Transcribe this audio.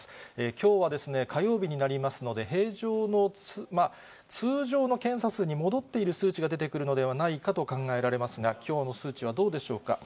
きょうは火曜日になりますので、通常の検査数に戻っている数値が出てくるのではないかと考えられますが、きょうの数値はどうでしょうか。